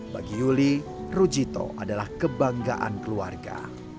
bagi yuli rujito adalah kebanggaan keluarga